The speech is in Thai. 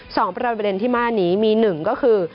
สองประเทศที่มาหันนี้มี๑ก็คือ